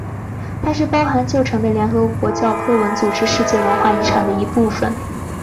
它是包含旧城的联合国教科文组织世界文化遗产的一部分。